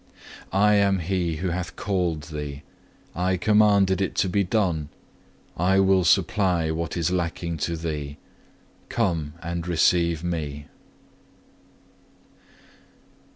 I am He who hath called thee; I commanded it to be done; I will supply what is lacking to thee; come and receive Me.